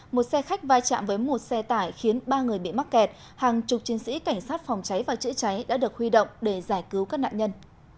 một xe khách vai trạm với một xe tải khiến ba người bị mắc kẹt hàng chục chiến sĩ cảnh sát phòng cháy và chữa cháy đã được huy động để giải cứu các nạn nhân